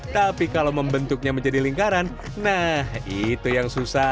tapi kalau membentuknya menjadi lingkaran nah itu yang susah